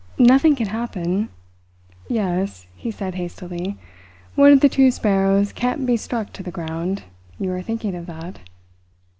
Nothing can happen " "Yes," he said hastily, "one of the two sparrows can't be struck to the ground you are thinking of that."